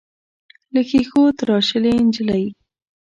له ښیښو تراشلې نجلۍ.